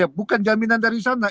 ya bukan jaminan dari sana